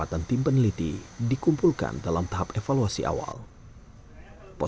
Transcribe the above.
ikuti fusil ini pohon akan ditambah sejarah